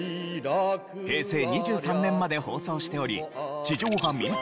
平成２３年まで放送しており地上波民放